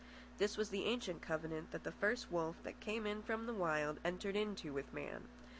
This was the ancient covenant that the first wolf that came in from the Wild entered into with man.